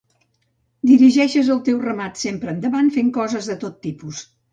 Dirigeixes el teu ramat sempre endavant, fent coses de tot tipus.